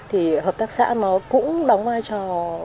hợp tác xã cũng đóng vai cho